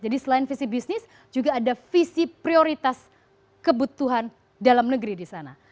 jadi selain visi bisnis juga ada visi prioritas kebutuhan dalam negeri di sana